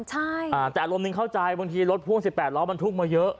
ใช่อ่าแต่อารมณ์นึงเข้าใจบางทีรถพ่วงสิบแปดร้อยมันทุ่มมาเยอะ